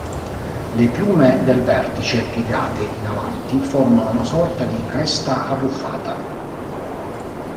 Le piume del vertice, piegate in avanti, formano una sorta di cresta arruffata.